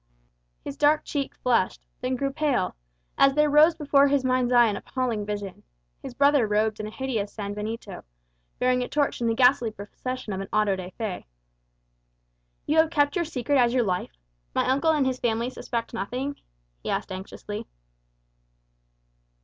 His dark cheek flushed, then grew pale, as there rose before his mind's eye an appalling vision his brother robed in a hideous sanbenito, bearing a torch in the ghastly procession of an auto da fé! "You have kept your secret as your life? My uncle and his family suspect nothing?" he asked anxiously.